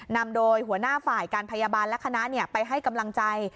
นำโดยหัวหน้าฝ่ายการพยาบาลและคณะไปให้กำลังใจ